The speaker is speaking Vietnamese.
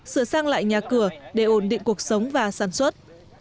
sửa sang lại nhà cửa để ổn định cuộc sống và sản xuất